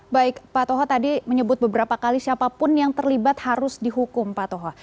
baik pak toho tadi menyebut beberapa kali siapapun yang terlibat harus dihukum pak toho